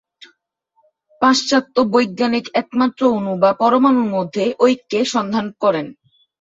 পাশ্চাত্য বৈজ্ঞানিক একমাত্র অণু বা পরমাণুর মধ্যে ঐক্যের সন্ধান করেন।